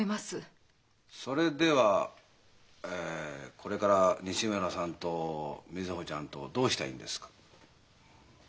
それではえこれから西村さんと瑞穂ちゃんとどうしたいんですか？